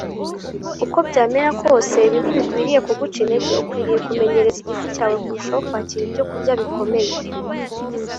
uko byamera kose, ibi ntibikwiriye kuguca intege; ukwiriye kumenyereza igifu cyawe kurushaho kwakira ibyokurya bikomeye